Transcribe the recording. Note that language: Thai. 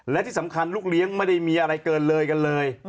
และที่สำคัญลูกเลี้ยงไม่ได้มีอะไรเกินเลยกันเลย